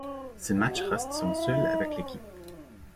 Ce match reste son seul avec l'équipe.